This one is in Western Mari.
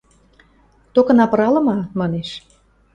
– Токына пыралыма, – манеш.